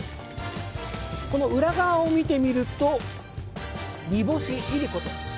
この裏側を見てみると煮干し、いりこと。